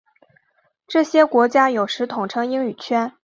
这些国家有时统称英语圈。